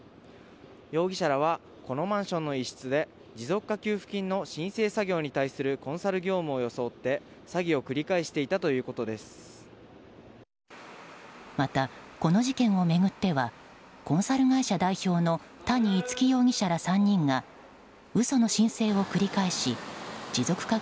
容疑者らはこのマンションの一室で持続化給付金の申請作業に対するコンサル業務を装って詐欺を繰り返していたまた、この事件を巡ってはコンサル会社代表の谷逸輝容疑者ら３人が嘘の申請を繰り返し持続化